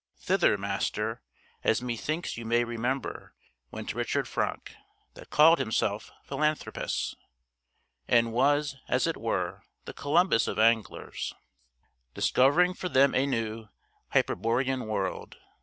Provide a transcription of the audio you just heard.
Thither, Master, as methinks you may remember, went Richard Franck, that called himself Philanthropus, and was, as it were, the Columbus of anglers, discovering for them a new Hyperborean world.